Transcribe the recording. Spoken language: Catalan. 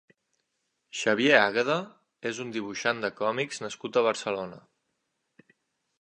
Xavier Àgueda és un dibuixant de còmics nascut a Barcelona.